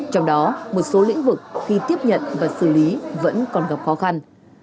trong đó một số lĩnh vực khi tiếp nhận và xử lý vẫn còn gặp khó khăn